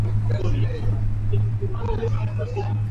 Mikakati ya kudhibiti ugonjwa wa majimoyo